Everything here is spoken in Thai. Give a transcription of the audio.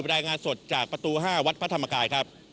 รายงานสดจากประตู๕วัดพระธรรมกายครับ